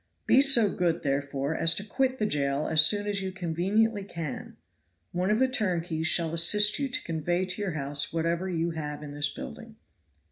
Be so good, therefore, as to quit the jail as soon as you conveniently can. One of the turnkeys shall assist you to convey to your house whatever you have in this building."